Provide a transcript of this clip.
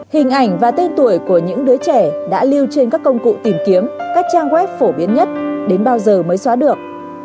hình ảnh và tên tuổi của những đứa trẻ đã lưu trên các công cụ tìm kiếm các trang web phổ biến nhất đến bao giờ mới xóa được